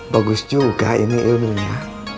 bagus juga ini ilmunya